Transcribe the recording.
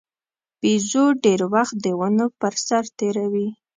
بیزو ډېر وخت د ونو پر سر تېروي.